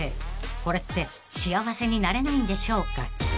［これって幸せになれないんでしょうか］